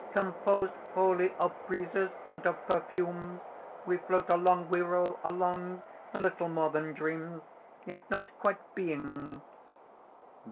Composed wholly of breezes and of perfumes, we float along, we roll along: a little more than Dreams, yet not quite beings...."